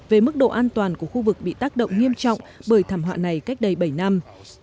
về mức độ an toàn của khu vực bị tác động nghiêm trọng bởi thảm họa này cách đây bảy năm